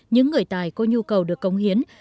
những người tài có nhu cầu được công hiến